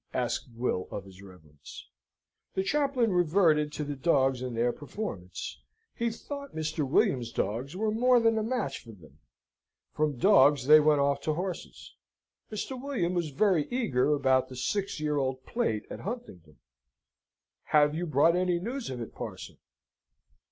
asked Will of his reverence. The chaplain reverted to the dogs and their performance. He thought Mr. William's dogs were more than a match for them. From dogs they went off to horses. Mr. William was very eager about the Six Year Old Plate at Huntingdon. "Have you brought any news of it, Parson?"